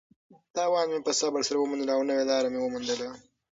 تاوان مې په صبر سره ومنلو او نوې لاره مې وموندله.